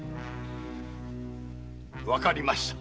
分かりました。